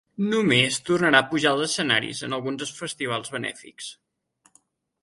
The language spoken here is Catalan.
Només tornarà a pujar als escenaris en alguns festivals benèfics.